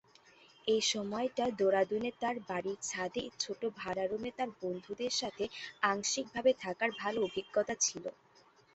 এই সময়টা দেরাদুনে তার বাড়ির ছাদে ছোট ভাড়া রুমে তার বন্ধুদের সঙ্গে আংশিকভাবে থাকার ভালো অভিজ্ঞতা ছিল।